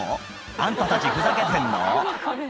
あんたたちふざけてんの？